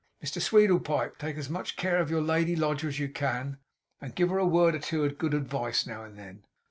'Mr Sweedlepipe, take as much care of your lady lodger as you can, and give her a word or two of good advice now and then.